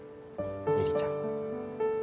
友里ちゃん。